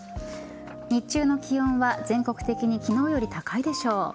日中の気温は全国的に昨日より高いでしょう。